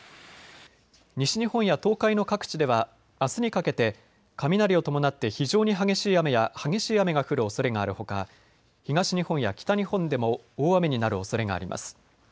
西日本や東海の各地ではあすにかけて雷を伴って非常に激しい雨や激しい雨が降るおそれがあるほか東日本や北日本でも大雨になるおそれがあります。